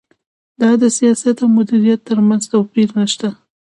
دا د سیاست او مدیریت ترمنځ توپیر نشته.